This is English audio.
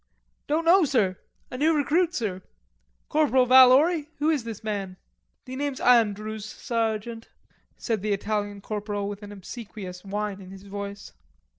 "Don't know, sir; a new recruit, sir. Corporal Valori, who is this man?" "The name's Andrews, sergeant," said the Italian corporal with an obsequious whine in his voice.